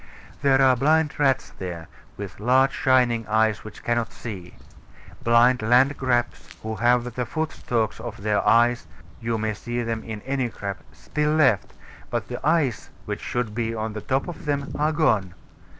There are blind rats there, with large shining eyes which cannot see blind landcrabs, who have the foot stalks of their eyes (you may see them in any crab) still left; but the eyes which should be on the top of them are gone.